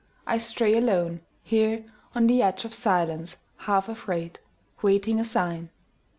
I stray aloneHere on the edge of silence, half afraid, Waiting a sign.